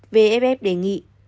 vff đề nghị